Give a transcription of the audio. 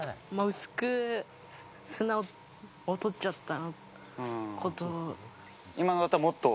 薄く砂を取っちゃったこと。